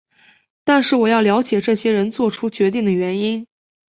但是我要了解这些人作出决定的原因。